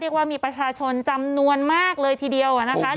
ว่ามีประชาชนจำนวนมากเลยทีเดียวนะคะ